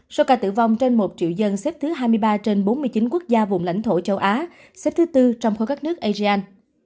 số ca tử vong trên một triệu dân xếp thứ hai mươi ba trên bốn mươi chín quốc gia vùng lãnh thổ châu á xếp thứ tư trong khối các nước asean